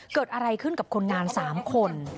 เกิดอะไรขึ้นกับคนงาน๓คน